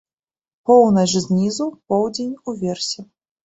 Поўнач знізу, поўдзень уверсе.